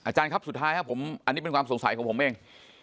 ครับสุดท้ายครับผมอันนี้เป็นความสงสัยของผมเอง